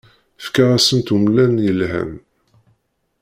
Fkiɣ-asent umlan yelhan.